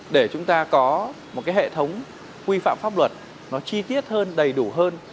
để chúng ta có một cái hệ thống quy phạm pháp luật nó chi tiết hơn đầy đủ hơn